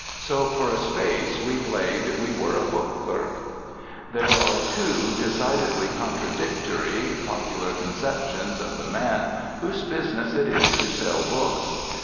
So for a space we played we were a book clerk. There are two, decidedly contradictory, popular conceptions of the man whose business it is to sell books.